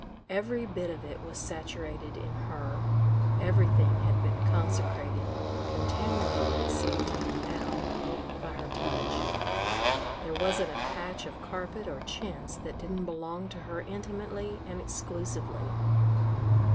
Every bit of it was saturated in her, everything had been consecrated contaminated, it seemed to him now by her touch. There wasn't a patch of carpet or chintz that didn't belong to her intimately and exclusively.